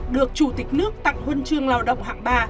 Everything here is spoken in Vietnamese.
được chủ tịch nước tặng huân chương lao động hạng ba